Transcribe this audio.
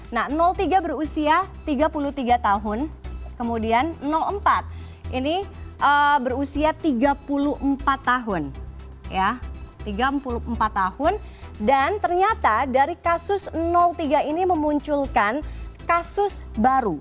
nah tiga berusia tiga puluh tiga tahun kemudian empat ini berusia tiga puluh empat tahun tiga puluh empat tahun dan ternyata dari kasus tiga ini memunculkan kasus baru